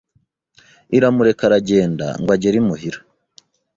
Iramureka aragendaNgo agere imuhira